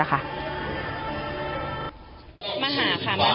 มาหาค่ะมาหาทุกวัน